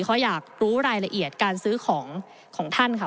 เขาอยากรู้รายละเอียดการซื้อของของท่านค่ะ